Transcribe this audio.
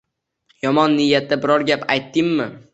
Yomon niyatda biror gap aytdimmi?